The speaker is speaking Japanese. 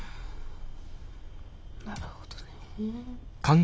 なるほどね。